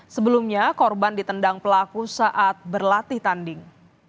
sebelumnya korban ditendang pelaku saat berlatih tanding